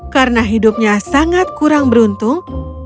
karena hidupnya sangat kurang beruntung